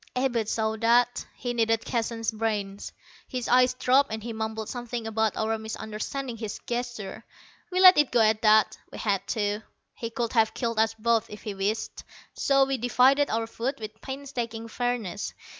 Abud saw that. He needed Keston's brains. His eyes dropped, and he mumbled something about our misunderstanding his gesture. We let it go at that. We had to. He could have killed us both if he wished. So we divided our food with painstaking fairness.